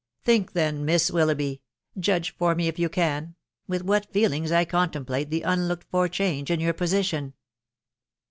Think then, Miss Willoughby .••• judge for me if you can, with what feelings I contemplate the un looked for change in your position